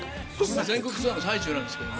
全国ツアーの最中なんですよ。